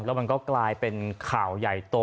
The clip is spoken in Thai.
แล้วมันก็กลายเป็นข่าวใหญ่โต